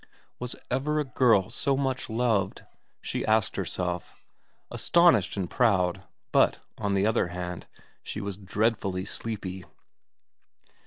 Was ever a girl so much loved ? she asked herself, astonished and proud ; but, on the other hand, she was dreadfully sleepy.